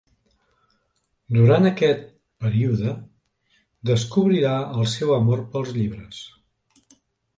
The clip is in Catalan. Durant aquest període, descobrirà el seu amor pels llibres.